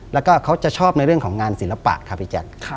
แล้วก็เขาจะชอบในเรื่องของงานศิลปะครับพี่แจ๊ค